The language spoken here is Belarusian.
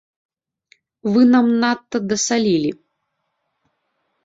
Вы нам надта дасалілі.